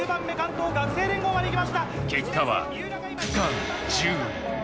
結果は、区間１０位。